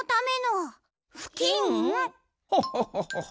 ホホホホホ。